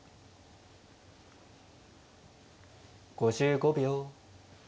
５５秒。